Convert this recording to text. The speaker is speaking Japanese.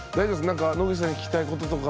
なんか野口さんに聞きたいこととか。